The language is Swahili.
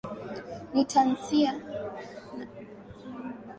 Ni tasnia inayoonekana kusaidia ukuaji wa uchumi kupitia sekta ya Utalii